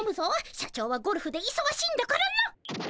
社長はゴルフでいそがしいんだからな。